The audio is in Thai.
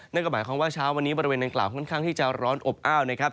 นั่นก็หมายความว่าเช้าวันนี้บริเวณดังกล่าวค่อนข้างที่จะร้อนอบอ้าวนะครับ